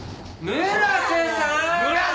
村瀬さん！